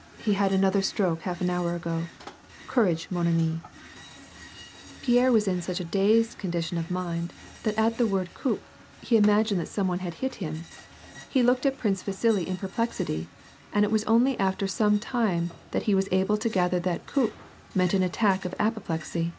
" He had another stroke half an hour ago. Courage, mon atni.'^ l^ierre was in such a da^ed condition of mind that at the WAR AND PEACE. 93 word coup he imagined that some one had hit him. He looked at Prince Vasili in perplexity, and it was only after some time that he was able to gather that ^' coup " meant an attack of apoplexy.